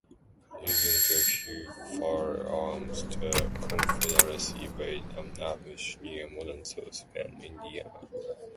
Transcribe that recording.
Using their new firearms, the Confederacy laid an ambush near modern South Bend, Indiana.